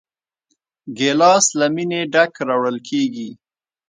ګیلاس له مینې ډک راوړل کېږي.